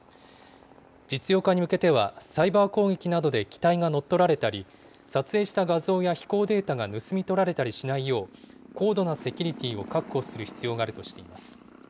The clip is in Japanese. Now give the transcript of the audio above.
実用化に向けては、サイバー攻撃などで機体が乗っ取られたり、撮影した画像や飛行データが盗み取られたりしないよう、高度なセキュリティを確保する必要があるとしています。